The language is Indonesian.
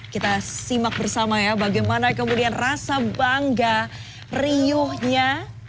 kita simak bersama ya bagaimana kemudian rasa bangga riuhnya